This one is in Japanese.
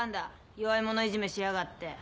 弱い者いじめしやがって。